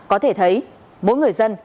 có thể thấy mỗi người dân